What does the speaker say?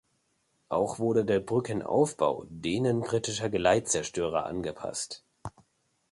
Auch wurde der Brückenaufbau denen britischer Geleitzerstörer angepasst.